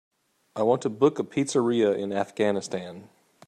I want to book a pizzeria in Afghanistan.